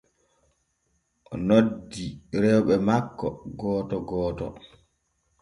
O noddi rewɓe makko gooto gooto.